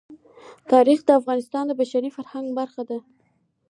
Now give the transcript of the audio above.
تاریخ د افغانستان د بشري فرهنګ برخه ده.